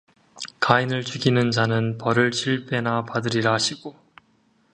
가인을 죽이는 자는 벌을 칠배나 받으리라 하시고